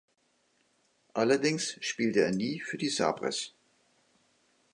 Allerdings spielte er nie für die Sabres.